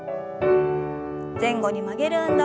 前後に曲げる運動です。